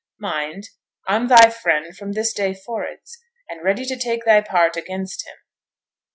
Mind, I'm thy friend from this day forrards, and ready to take thy part against him!'